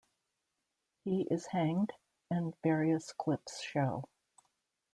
He is hanged and various clips show.